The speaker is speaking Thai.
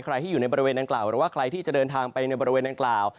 ใครที่อยู่ในบริเวณดังกล่าวหรือว่าใครที่จะเดินทางไปในบริเวณดังกล่าว